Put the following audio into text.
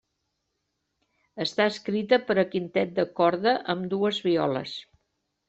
Està escrita per a quintet de corda amb dues violes.